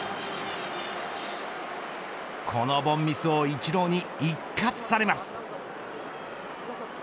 この凡ミスをイチローに一喝されます。